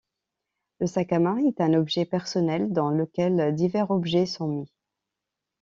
Le sac à main est un objet personnel dans lequel divers objets sont mis.